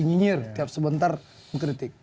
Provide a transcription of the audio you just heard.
nyinyir tiap sebentar mengkritik